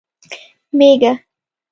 🐑 مېږه